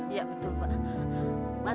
iya betul pak